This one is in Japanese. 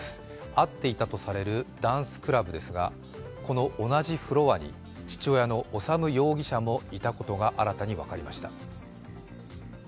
会っていたとされるダンスクラブですが、この同じフロアに父親の修容疑者もいたことが新たに分かりました。